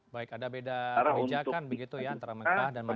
baik ada beda kebijakan begitu ya antara mekah dan mekah